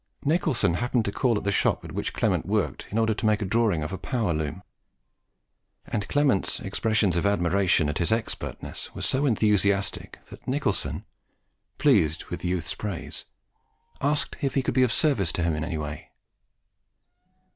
Nicholson happened to call at the shop at which Clement worked in order to make a drawing of a power loom; and Clement's expressions of admiration at his expertness were so enthusiastic, that Nicholson, pleased with the youth's praise, asked if he could be of service to him in any way.